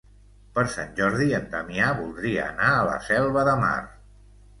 Per Sant Jordi en Damià voldria anar a la Selva de Mar.